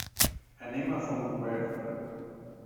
Anem a Fontcoberta.